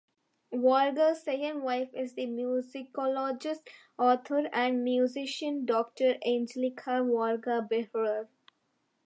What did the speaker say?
Varga's second wife is the musicologist, author and musician Doctor Angelika Varga-Behrer.